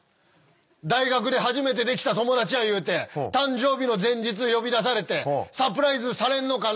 大学で初めてできた友達やいうて誕生日の前日呼び出されてサプライズされんのかな